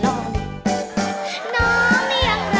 น้องเป็นซาวเทคนิคตาคมพมยาว